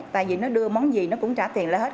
tại vì nó đưa món gì nó cũng trả tiền lại hết